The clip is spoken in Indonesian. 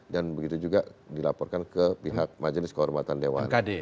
dan begitu juga dilaporkan ke pihak majelis kehormatan dewan